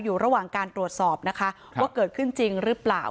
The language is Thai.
อยู่ระหว่างการตรวจสอบนะคะว่าเกิดขึ้นจริงหรือเปล่า